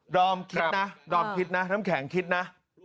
รอมคิดนะน้ำแข็งขิตนะ